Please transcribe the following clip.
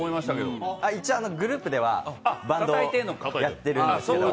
一応、グループではバンドをやってるんですけど。